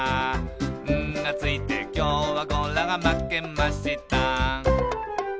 「『ん』がついてきょうはゴラがまけました」